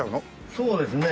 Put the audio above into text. そうですね。